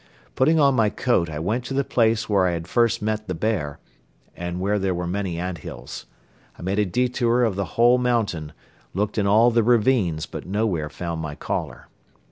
Putting on my coat I went to the place where I had first met the bear and where there were many ant hills. I made a detour of the whole mountain, looked in all the ravines but nowhere found my caller.